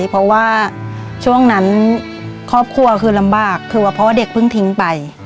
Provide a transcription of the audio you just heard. เพราะว่าช่วงนั้นครอบครัวคือลำบากคือว่าเพราะว่าเด็กเพิ่งทิ้งไป